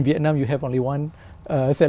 vì vậy kỷ niệm mở cửa cũng được kỷ niệm mở cửa